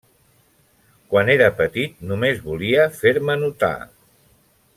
Quan era petit només volia fer-me notar.